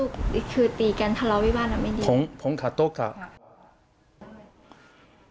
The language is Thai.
คือตีกันทะเลาไปบ้านอ่ะไม่ดี